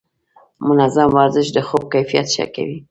منظم ورزش د خوب کیفیت ښه کوي.